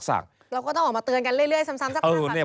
เราก็ต้องออกมาเตือนกันเรื่อยซ้ำซักครั้งฝั่งนี้